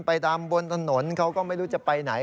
ไปตามบนถนนเขาก็ไม่รู้จะไปไหน